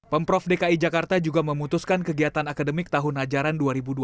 pemprov dki jakarta juga memutuskan kegiatan akademik tahun ajaran dua ribu dua puluh dua ribu dua puluh satu